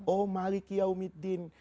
oh malik yaumiddin